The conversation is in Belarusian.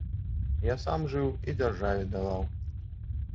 Я сам жыў і дзяржаве даваў.